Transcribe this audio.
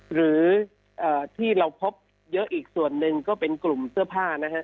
หรือที่เราพบเยอะอีกส่วนหนึ่งก็เป็นกลุ่มเสื้อผ้านะฮะ